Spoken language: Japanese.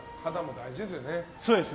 大事ですね。